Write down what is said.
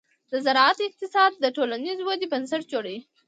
د زراعت اقتصاد د ټولنیزې ودې بنسټ جوړوي.